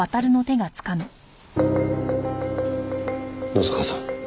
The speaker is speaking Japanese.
野坂さん。